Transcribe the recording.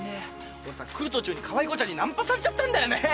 俺さ来る途中にかわい子ちゃんにナンパされちゃったんだよね。